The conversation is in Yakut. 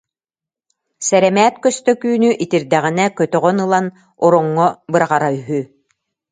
Сэрэмээт Көстөкүүнү итирдэҕинэ көтөҕөн ылан ороҥҥо быраҕара үһү